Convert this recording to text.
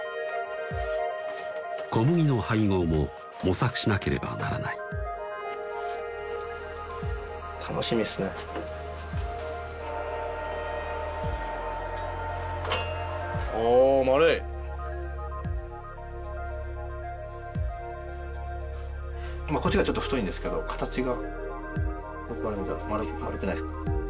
小麦の配合も模索しなければならないこっちがちょっと太いんですけど形がこっから見たら丸くないですか？